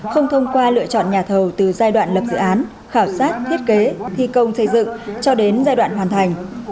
không thông qua lựa chọn nhà thầu từ giai đoạn lập dự án khảo sát thiết kế thi công xây dựng cho đến giai đoạn hoàn thành